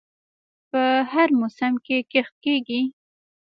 په هر موسم کې کښت کیږي.